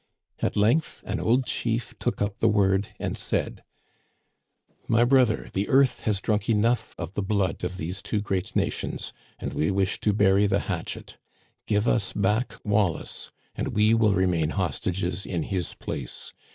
At length an old chief took up the word, and said :* My brother, the earth has drunk enough of the blood of these two great nations, and we wish to bury the hatchet. Give us back Wallace and we will remain hostages in his place.